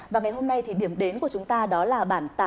và ngày hôm nay thì điểm đến của chúng ta đó là bản tám